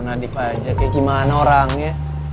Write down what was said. nadif aja kayak gimana orangnya